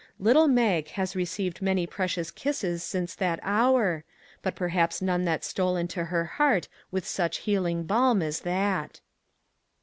Little Mag has received many precious kisses since that hour, but perhaps none that stole into her heart with such healing balm as that.